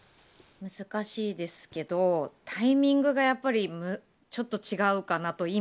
難しいですけどタイミングがちょっと違うかなと。